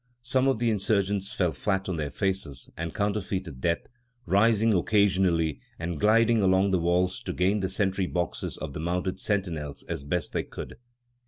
Some of the insurgents fell flat on their faces and counterfeited death, rising occasionally and gliding along the walls to gain the sentry boxes of the mounted sentinels as best they could.